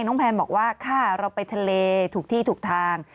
แพนบอกว่าค่ะเราไปทะเลถูกที่ถูกทาง